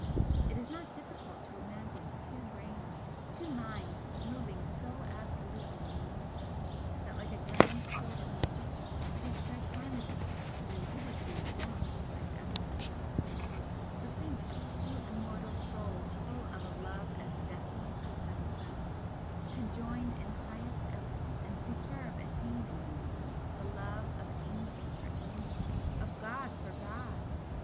It is not difficult to imagine two brains, two minds moving so absolutely in unison that like a grand chord of music they strike harmony through hitherto dumb life episodes but think of two immortal souls full of a love as deathless as themselves, conjoined in highest effort and superb attainment! the love of angel for angel, of god for god!